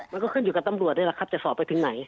มันก็ขึ้นอยู่กับตำรวจนี่แหละครับจะสอบไปถึงไหน